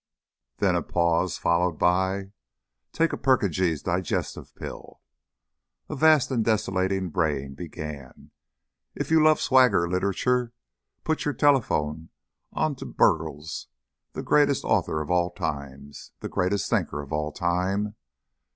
Then a pause, followed by "TAKE A PURKINJE'S DIGESTIVE PILL." A vast and desolating braying began. "If you love Swagger Literature, put your telephone on to Bruggles, the Greatest Author of all Time. The Greatest Thinker of all Time.